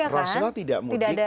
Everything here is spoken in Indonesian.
rasulullah tidak mudik